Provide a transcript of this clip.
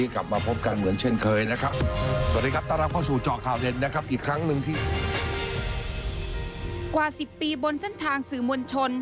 กว่า๑๐ปีบนเส้นทางสื่อมวลชน